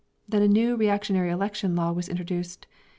Then a new reactionary election law was introduced.